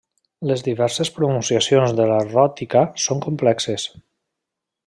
Les diverses pronunciacions de la ròtica són complexes.